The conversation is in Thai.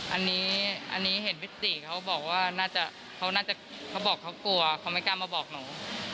อันนี้เห็นพี่ตี๋เขาบอกว่าเขาบอกเขากลัวเขาไม่กล้ามาบอกหนู